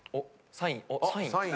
サイン。